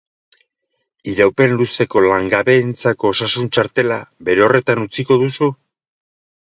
Iraupen luzeko langabeentzako osasun-txartela, bere horretan utziko duzu?